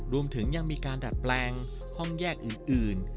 รวมถึงยังมีการดัดแปลงห้องแยกอื่น